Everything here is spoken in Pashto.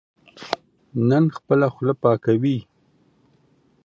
نن خپله خوله پاکوي.